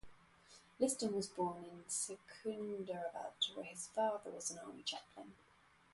Liston was born in Secunderabad where his father was an Army Chaplain.